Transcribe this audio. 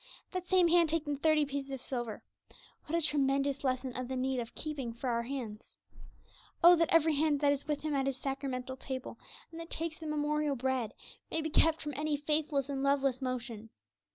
That same hand taking the thirty pieces of silver! What a tremendous lesson of the need of keeping for our hands! Oh that every hand that is with Him at His sacramental table, and that takes the memorial bread, may be kept from any faithless and loveless motion!